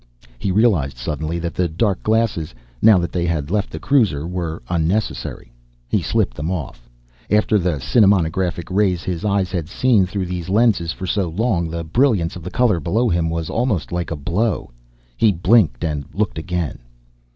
He realized suddenly that the dark glasses, now that they had left the cruiser, were unnecessary. He slipped them off. After the cinematographic grays his eyes had seen through these lenses for so long, the brilliance of the color below him was almost like a blow. He blinked, and looked again.